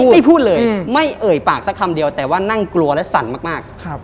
ไม่พูดเลยไม่เอ่ยปากสักคำเดียวแต่ว่านั่งกลัวและสั่นมาก